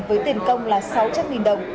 với tiền công là sáu trăm linh nghìn đồng